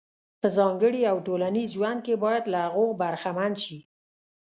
په ځانګړي او ټولنیز ژوند کې باید له هغو برخمن شي.